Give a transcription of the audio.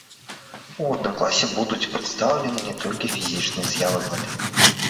У водным класе будуць прадстаўлены не толькі фізічныя з'явы вады.